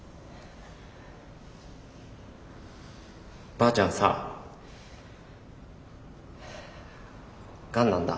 ばあちゃんさがんなんだ。